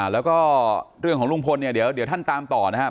แล้วก็เรื่องของลุงพลเนี่ยเดี๋ยวท่านตามต่อนะครับ